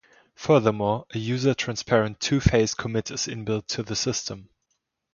Furthermore, a user transparent two-phase commit is inbuilt to the system.